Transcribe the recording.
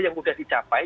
yang mudah dicapai